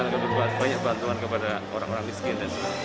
demikian masalah sosial banyak bantuan kepada orang orang miskin